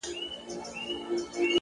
د حقیقت لټون عقل ژوروي!.